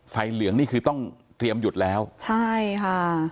เหลืองนี่คือต้องเตรียมหยุดแล้วใช่ค่ะ